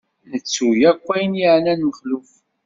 Nettu akk ayen yeɛnan Mexluf.